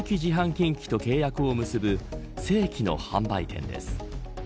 近畿と契約を結ぶ正規の販売店です。